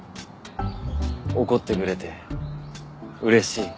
怒ってくれてうれしい。